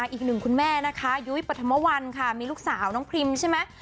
อีกหนึ่งคุณแม่นะคะยุ้ยปฐมวันค่ะมีลูกสาวน้องพรีมใช่ไหม